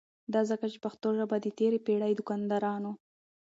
دا ځکه چې پښتو ژبه د تیری پیړۍ دواکدارانو